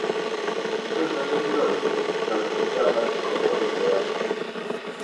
কিন্তু নলিনবাবু, আপনাকে আমার একটা কথা বলিবার আছে।